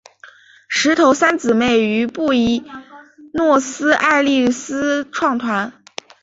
石头三姊妹于布宜诺斯艾利斯创团。